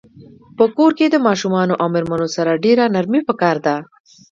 په کور کښی د ماشومانو او میرمنو سره ډیره نرمی پکار ده